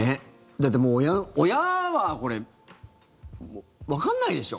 だってもう親はこれ、わかんないでしょ？